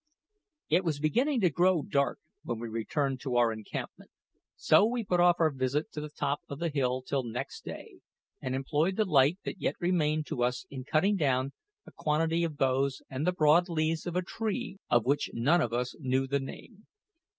It was beginning to grow dark when we returned to our encampment; so we put off our visit to the top of a hill till next day, and employed the light that yet remained to us in cutting down a quantity of boughs and the broad leaves of a tree of which none of us knew the name.